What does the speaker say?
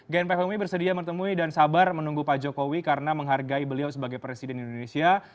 gnpf mui bersedia menemui dan sabar menunggu pak jokowi karena menghargai beliau sebagai presiden indonesia